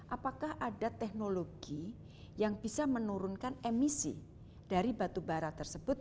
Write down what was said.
apakah ada teknologi yang bisa menurunkan emisi dari batu bara tersebut